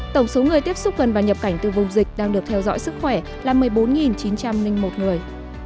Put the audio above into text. tổng số người tiếp xúc gần và nhập cảnh từ vùng dịch đang được theo dõi sức khỏe là một mươi bốn chín trăm linh một người